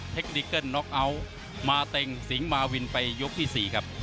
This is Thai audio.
คนดิเกิ้ลน็อกเอาท์มาเต็งสิงหมาวินไปยกที่๔ครับ